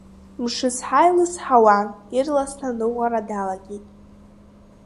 Мшызҳа илызҳауан, ирласны аныҟәара далагеит.